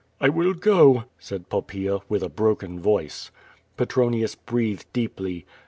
"I will go," said Poppaea, witjli a broken voice. Petronius breathed deej)ly.